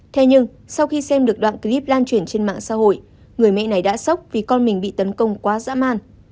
thế nhưng sau khi xem được đoạn clip lan truyền trên mạng xã hội người mẹ này đã sốc vì con mình bị tấn công quá dã man